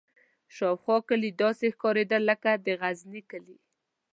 شاوخوا کلي داسې ښکارېدل لکه د غزني کلي.